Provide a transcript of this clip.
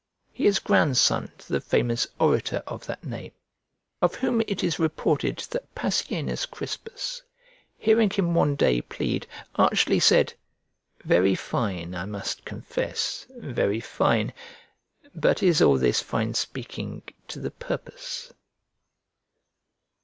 He is grandson to the famous orator of that name, of whom it is reported that Passienus Crispus, hearing him one day plead, archly said, "Very fine, I must confess, very fine; but is all this fine speaking to the purpose?"